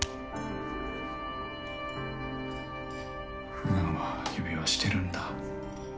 ふだんは指輪してるんだ。